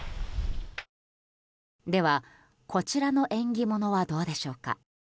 では、こちらの縁起物はどうでしょうか。